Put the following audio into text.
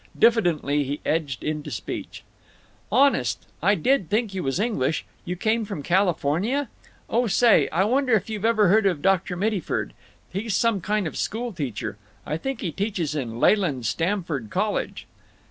Diffidently he edged into speech: "Honest, I did think you was English. You came from California? Oh, say, I wonder if you've ever heard of Dr. Mittyford. He's some kind of school teacher. I think he teaches in Leland Stamford College."